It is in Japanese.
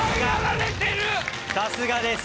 さすがです。